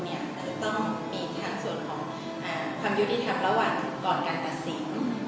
จะต้องมีทั้งส่วนของความยุติธรรมระหว่างก่อนการตัดสิน